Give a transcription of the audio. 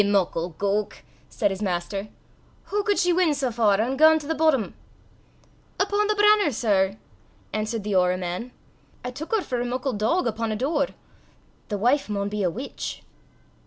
"Ye muckle gowk!" said his master, "hoo cud she win sae far ohn gane to the boddom?" "Upo' the bran'er, sir," answered the orra man. "I tuik her for a muckle dog upo' a door. The wife maun be a witch!"